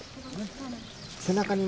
背中にね